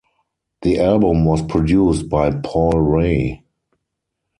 The album was produced by Paul Ray.